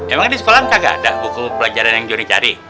emangnya di sekolah nggak ada buku pelajaran yang joni cari